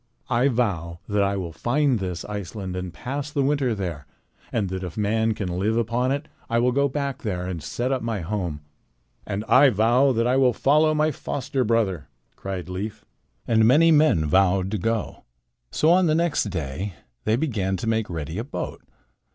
"I vow that I will find this Iceland and pass the winter there, and that if man can live upon it I will go back there and set up my home." "And I vow that I will follow my foster brother," cried Leif. And many men vowed to go. So on the next day they began to make ready a boat.